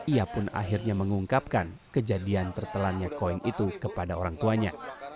ia pun akhirnya mengungkapkan kejadian tertelannya koin itu kepada orang tuanya